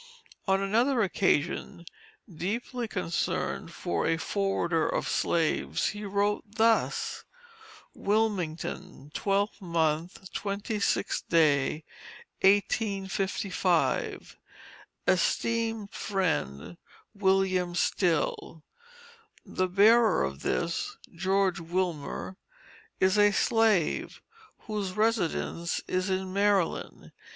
On another occasion deeply concerned for A FORWARDER OF SLAVES, he wrote thus: WILMINGTON, 12th mo. 26th, 1855. ESTEEMED FRIEND, WM. STILL: The bearer of this, George Wilmer, is a slave, whose residence is in Maryland.